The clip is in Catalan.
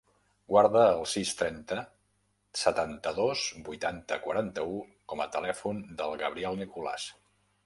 Guarda el sis, trenta, setanta-dos, vuitanta, quaranta-u com a telèfon del Gabriel Nicolas.